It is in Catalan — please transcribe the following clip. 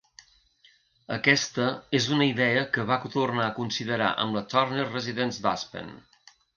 Aquesta és una idea que va tornar a considerar amb la Turner Residence d'Aspen.